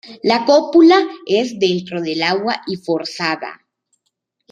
La cópula es dentro del agua y forzada.